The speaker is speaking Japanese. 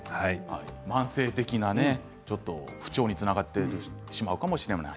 慢性的なちょっと不調につながってしまうかもしれない。